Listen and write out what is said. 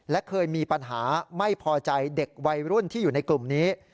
และเคยมีปัญหาไม่พอใจเด็กวัยรุ่นที่อยู่ในกลุ่มนี้